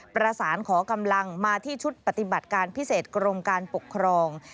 ประสานขอกำลังมาที่ชุดปฏิบัติการพิเศษกรมการปกครอง